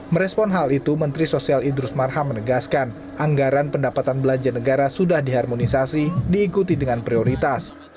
merespon hal itu menteri sosial idrus marham menegaskan anggaran pendapatan belanja negara sudah diharmonisasi diikuti dengan prioritas